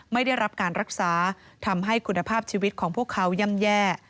ไม่ได้รับการรักษาทำให้คุณภาพชีวิตของพวกเขาย่ำแย่